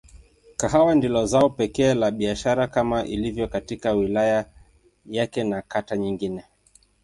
Kahawa ndilo zao pekee la biashara kama ilivyo katika wilaya yake na kata nyingine.